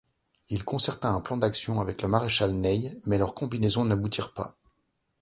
Il concerta un plan d'action avec le maréchal Ney, mais leurs combinaisons n'aboutirent pas.